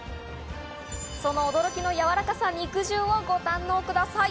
その驚きのやわらかさ、肉汁をご堪能ください。